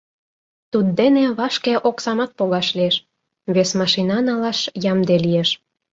Туддене вашке оксамат погаш лиеш, вес машина налаш ямде лиеш.